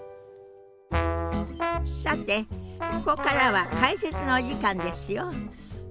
さてここからは解説のお時間ですよ。